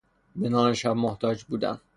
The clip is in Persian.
به نان شب محتاج بودن